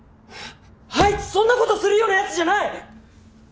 アイツそんなことするようなやつじゃない！